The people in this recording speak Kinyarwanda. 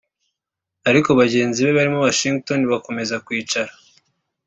ariko bagenzi be barimo Washington bakomeza kwicara